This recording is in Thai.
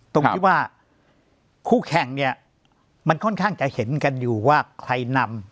ตรงที่ว่าคู่แข่งเนี่ยมันค่อนข้างจะเห็นกันอยู่ว่าใครนำ